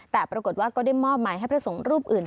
แต่ปรากฏว่าก็ได้มอบหมายให้พระสงฆ์รูปอื่น